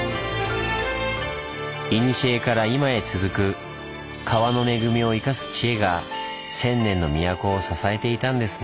いにしえから今へ続く川の恵みをいかす知恵が千年の都を支えていたんですねぇ。